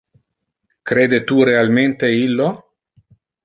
Crede tu realmente illo?